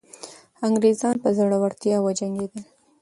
انګریزان په زړورتیا وجنګېدل.